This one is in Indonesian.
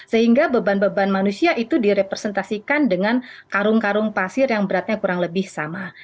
sehingga beban beban manusia itu direpresentasikan dengan karung karung pasir yang beratnya kurang lebih sama